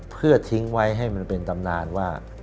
เพื่อทิ้งไว้ให้มันเป็นตำนานว่า